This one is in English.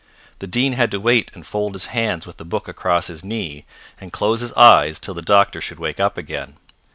The Dean had to wait and fold his hands with the book across his knee, and close his eyes till the doctor should wake up again.